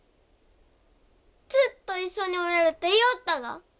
ずっと一緒におれるって言よおったが？